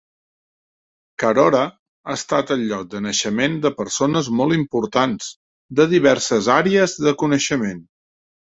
Carora ha estat el lloc de naixement de persones molt importants de diverses àrees de coneixement.